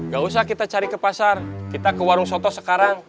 gak usah kita cari ke pasar kita ke warung soto sekarang